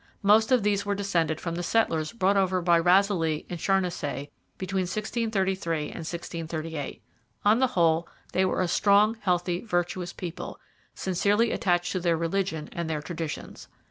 Most of these were descended from the settlers brought over by Razilly and Charnisay between 1633 and 1638. On the whole, they were a strong, healthy, virtuous people, sincerely attached to their religion and their traditions.